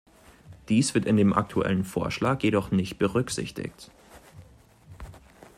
Dies wird in dem aktuellen Vorschlag jedoch nicht berücksichtigt.